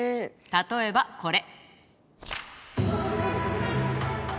例えばこれ。